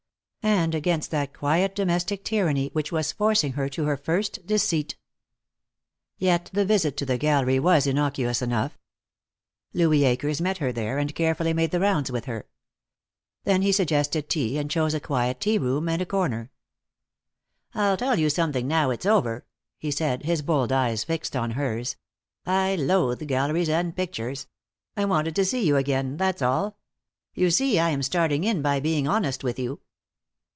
And against that quiet domestic tyranny which was forcing her to her first deceit. Yet the visit to the gallery was innocuous enough. Louis Akers met her there, and carefully made the rounds with her. Then he suggested tea, and chose a quiet tea room, and a corner. "I'll tell you something, now it's over," he said, his bold eyes fixed on hers. "I loathe galleries and pictures. I wanted to see you again. That's all. You see, I am starting in by being honest with you."